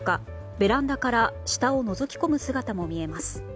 ベランダから下をのぞき込む姿も見えます。